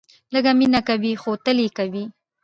لږ مینه کوئ ، خو تل یې کوئ